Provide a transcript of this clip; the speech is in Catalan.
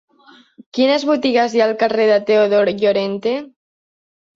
Quines botigues hi ha al carrer de Teodor Llorente?